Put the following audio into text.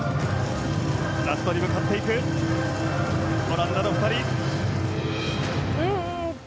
ラストに向かうオランダの２人。